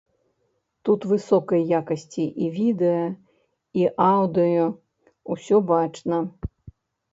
Тут высокай якасці і відэа і аўдыё, усё бачна.